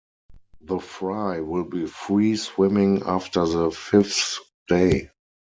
The fry will be free-swimming after the fifth day.